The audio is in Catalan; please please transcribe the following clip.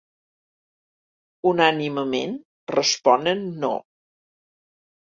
Unànimement, responen no.